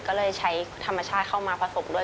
ก็เลยใช้ธรรมชาติเข้ามาผสมด้วย